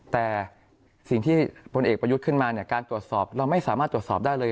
แต่สิ่งที่พลเอกประยุทธ์ขึ้นมาเนี่ยการตรวจสอบเราไม่สามารถตรวจสอบได้เลย